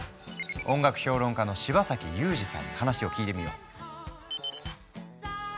音楽評論家の柴崎祐二さんに話を聞いてみよう。